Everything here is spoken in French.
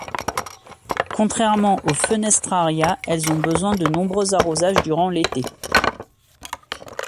Contrairement aux Fenestraria, elles ont besoin de nombreux arrosages durant l'été.